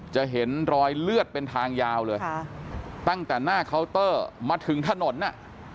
จะเห็นรอยเลือดเป็นทางยาวเลยตั้งแต่หน้าเคาน์เตอร์มาถึงถนนน่ะ